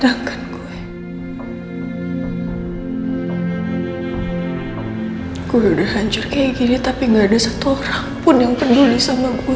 aku udah hancur kayak gini tapi gak ada satu orang pun yang peduli sama gue